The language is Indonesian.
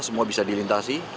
semua bisa dilintasi